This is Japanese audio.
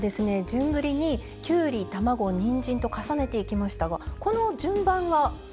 順繰りにきゅうり卵にんじんと重ねていきましたがこの順番は何かあるんですか？